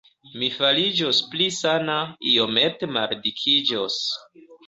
Mi fariĝos pli sana, iomete maldikiĝos.